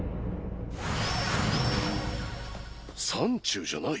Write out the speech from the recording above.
山中じゃない？